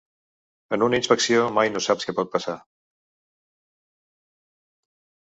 En una inspecció mai no saps què pot passar.